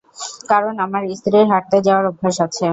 কারণ আমার স্ত্রীর হাটতে যাওয়ার অভ্যাস আছে।